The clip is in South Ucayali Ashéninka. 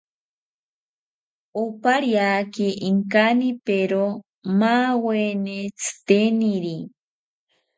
Opariaki inkanipero maaweni tziteniri